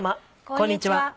こんにちは。